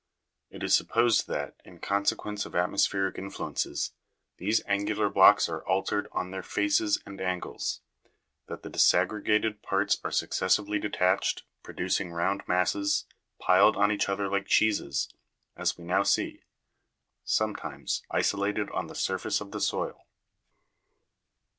It is supposed that, in consequence of atmospheric influences, these angular blocks are altered on their faces and angles ; that the disag gregated parts are successively detached, producing rounded masses, piled on each other like cheeses, as we now see, sometimes, isolated on the surface of the soil.